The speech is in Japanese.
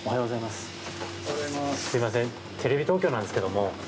すみませんテレビ東京なんですけども。